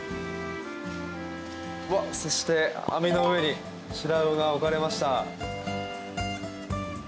そして網の上にシラウオが置かれました。